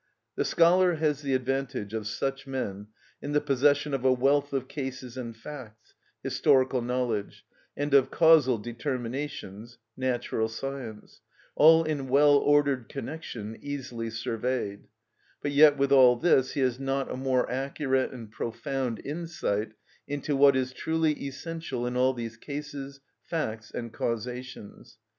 The scholar has the advantage of such men in the possession of a wealth of cases and facts (historical knowledge) and of causal determinations (natural science), all in well ordered connection, easily surveyed; but yet with all this he has not a more accurate and profound insight into what is truly essential in all these cases, facts, and causations.